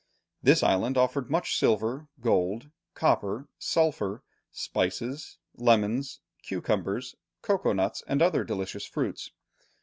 This island afforded much silver, gold, copper, sulphur, spices, lemons, cucumbers, cocoa nuts, and other delicious fruits.